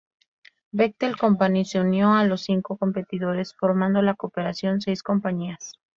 Bechtel Company se unió a los cinco competidores formando la Corporación Seis Compañías.